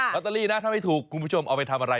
อตเตอรี่นะถ้าไม่ถูกคุณผู้ชมเอาไปทำอะไร